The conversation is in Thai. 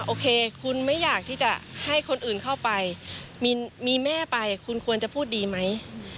โอเคคุณไม่อยากที่จะให้คนอื่นเข้าไปมีแม่ไปคุณควรจะพูดดีไหม